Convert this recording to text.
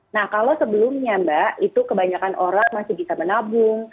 nah kalau sebelumnya mbak itu kebanyakan orang masih bisa menabung